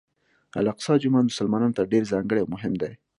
الاقصی جومات مسلمانانو ته ډېر ځانګړی او مهم دی.